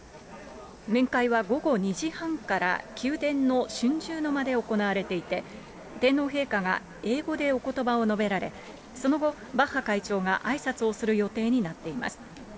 面会は午後２時半から、宮殿の春秋の間で行われていて、天皇陛下が英語でおことばを述べられ、その後、バッハ会長があいさつをする予定になっています。